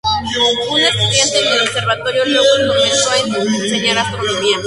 Una estudiante en el Observatorio Lowell comenzó a enseñar astronomía.